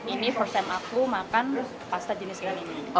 ini first time aku makan pasta jenis ikan ini